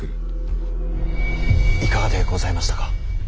いかがでございましたか。